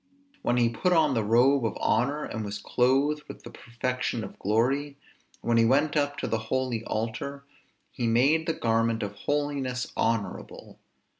When he put on the robe of honor, and was clothed with the perfection of glory, when he went up to the holy altar, he made the garment of holiness honorable.